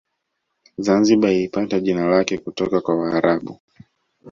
Zanzibar ilipata jina lake kutoka kwa waarabu